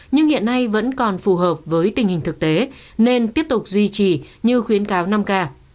nhưng hiện nay vẫn còn phù hợp với tình hình thực tế nên tiếp tục duy trì như khuyến cáo năm k